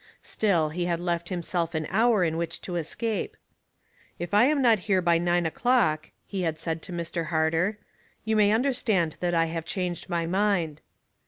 Still he had left himself an hour in which to escape. '* If I am not here by nine o'clock," he had said to Mr. Harter, " you may understand that I have changed my mind.'